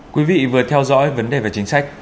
quý vị vừa theo dõi vấn đề về chính sách